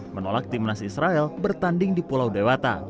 menolak timnas israel bertanding di pulau dewata